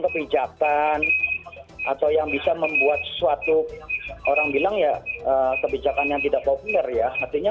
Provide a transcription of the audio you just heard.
kebijakan atau yang bisa membuat suatu orang bilang ya kebijakan yang tidak populer ya artinya